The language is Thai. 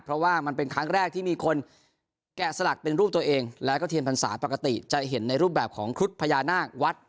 เพราะว่ามันเป็นครั้งแรกที่มีคนแกะสลักเป็นรูปตัวเองแล้วก็เทียนพรรษาปกติจะเห็นในรูปแบบของครุฑพญานาควัด